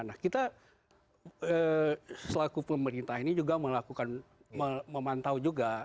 nah kita selaku pemerintah ini juga melakukan memantau juga